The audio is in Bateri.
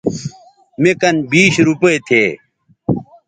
مے کن بیش روپے تھے